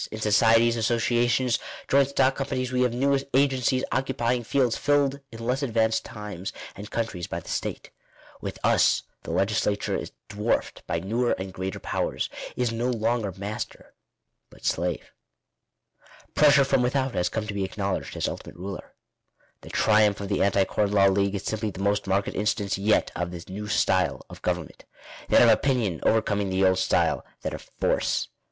In societies, associations, joint stock companies, we have new agencies occupying fields filled in less advanced times and countries by the State. With us the legislature is dwarfed by newer and greater powers — is no longer master but slave. " Pressure from without" has come to be acknowledged as ultimate ruler. The triumph of the Anti Corn Law League is simply the most marked instance yet> of the new style of government — that of opinion, overcoming the old style — that of force.